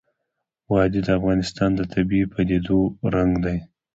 وادي د افغانستان د طبیعي پدیدو یو رنګ دی.